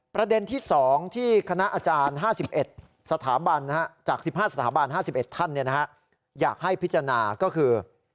ประเด็นที่๒ที่คณะอาจารย์๕๑สถาบันจาก๑๕สถาบัน๕๑ท่านอยากให้พิจารณาก็คือ